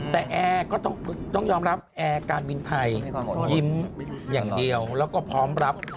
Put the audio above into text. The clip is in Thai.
แต่แอร์ก็ต้องยอมรับแอร์การบินไทยยิ้มอย่างเดียวแล้วก็พร้อมรับ